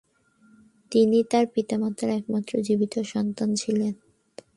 তিনি তার পিতামাতা একমাত্র জীবিত সন্তান ছিলেন।